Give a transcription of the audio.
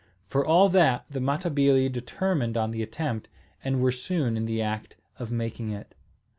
For all that, the Matabili determined on the attempt, and were soon in the act of making it.